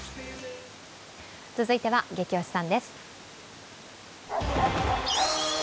続いては「ゲキ推しさん」です。